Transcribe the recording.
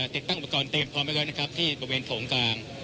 ติดตั้งอุปกรณ์เตรียมพร้อมไว้นะครับที่บริเวณโถงกลาง